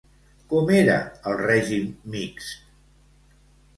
Com era el règim mixt?